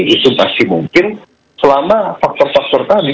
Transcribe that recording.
itu pasti mungkin selama faktor faktor tadi